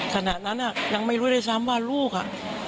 ขณะนั้นยังไม่รู้ด้วยซ้ำว่าลูกอ่ะ